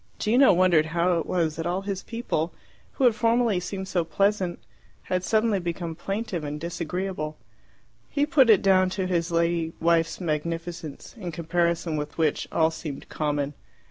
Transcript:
Gino wondered how it was that all his people, who had formerly seemed so pleasant, had suddenly become plaintive and disagreeable. He put it down to his lady wife's magnificence, in comparison with which all seemed common.